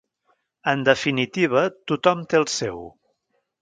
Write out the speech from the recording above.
En definitiva, tothom té el seu.